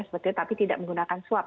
seperti itu tapi tidak menggunakan swab